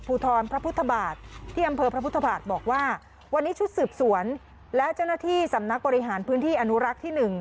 ทรพระพุทธบาทที่อำเภอพระพุทธบาทบอกว่าวันนี้ชุดสืบสวนและเจ้าหน้าที่สำนักบริหารพื้นที่อนุรักษ์ที่๑